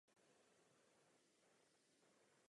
Pro vaši vládu tento okamžik již nastal.